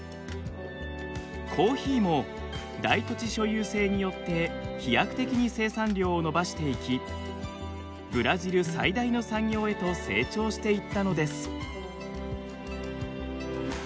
コーヒーも大土地所有制によって飛躍的に生産量を伸ばしていきブラジル最大の産業へと成長していったのです。